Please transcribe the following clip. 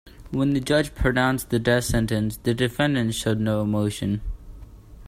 When the judge pronounced the death sentence, the defendant showed no emotion.